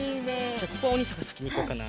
じゃあここはおにいさんがさきにいこうかな。